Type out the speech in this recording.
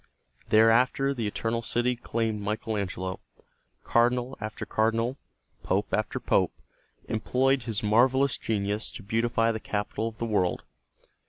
Thereafter the Eternal City claimed Michael Angelo. Cardinal after cardinal, pope after pope, employed his marvelous genius to beautify the capital of the world.